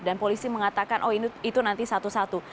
dan polisi mengatakan oh itu nanti satu satu